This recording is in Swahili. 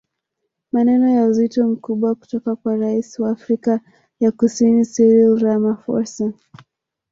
Maneno ya uzito mkubwa kutoka kwa Rais wa Afrika ya Kusini Cyril Ramaphosa